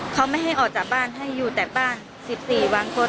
เขาไม่ให้ออกจากบ้านให้อยู่แต่บ้านสิบสี่วันโค้ด